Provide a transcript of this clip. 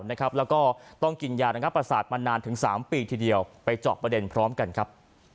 แล้วก็ต้องกินยาระงับประสาทมานานถึง๓ปีทีเดียวไปเจาะประเด็นพร้อมกันครับ